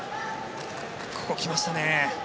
ここ、来ましたね。